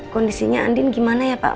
kondisinya andin gimana ya pak